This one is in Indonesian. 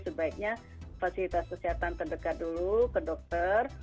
sebaiknya fasilitas kesehatan terdekat dulu ke dokter